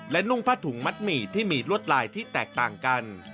และนุ่งผ้าถุงมัดหมี่ที่มีลวดลายที่แตกต่างกัน